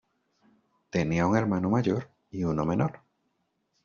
Tenía un hermano mayor y uno menor.